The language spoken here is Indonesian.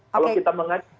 kalau kita mengajak